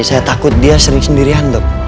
saya takut dia sering sendirian dok